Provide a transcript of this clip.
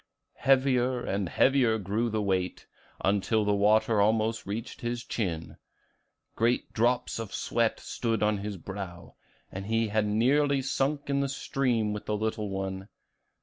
Heavier and heavier grew the weight, until the water almost reached his chin; great drops of sweat stood on his brow, and he had nearly sunk in the stream with the little one.